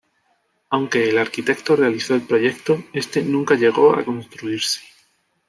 Aunque el arquitecto realizó el proyecto, este nunca llegó a construirse.